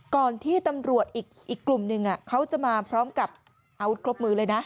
ก่อนที่ตำรวจอีกกลุ่มหนึ่งเขาจะมาพร้อมกับอาวุธครบมือเลยนะ